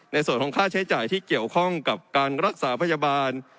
ในส่วนของค่าใช้จ่ายที่เกี่ยวข้องกับการรักษาพยาบาล